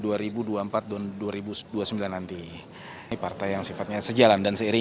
hai dalam pemilihan presiden di